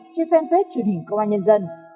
trên fanpage truyền hình công an nhân dân